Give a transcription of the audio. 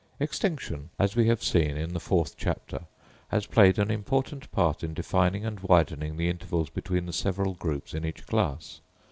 Extinction, as we have seen in the fourth chapter, has played an important part in defining and widening the intervals between the several groups in each class.